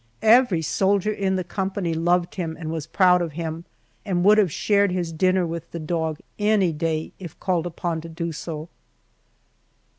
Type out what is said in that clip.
Every soldier in the company loved him and was proud of him, and would have shared his dinner with the dog any day if called upon to do so.